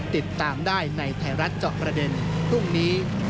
ติดตามได้ในไทยรัฐเจาะประเด็นพรุ่งนี้